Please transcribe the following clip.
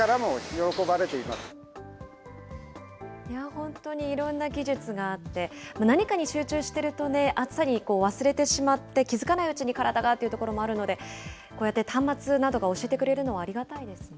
本当にいろんな技術があって、何かに集中してるとね、暑さに忘れてしまって、気付かないうちに体がっていうところがあるので、こうやって端末などが教えてくれるのはありがたいですね。